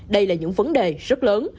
đây là những vấn đề rất lớn